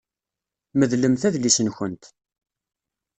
Medlemt adlis-nkent.